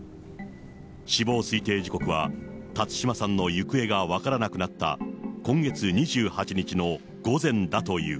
死亡推定時刻は、辰島さんの行方が分からなくなった今月２８日の午前だという。